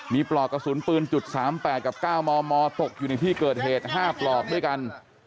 มีปลอกกระสุนปืนจุดสามแปดกับเก้ามมตกอยู่ในที่เกิดเหตุห้าปลอกด้วยกัน